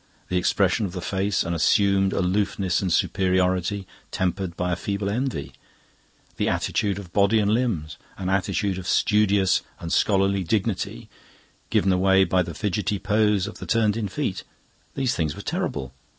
The expression of the face, an assumed aloofness and superiority tempered by a feeble envy; the attitude of the body and limbs, an attitude of studious and scholarly dignity, given away by the fidgety pose of the turned in feet these things were terrible.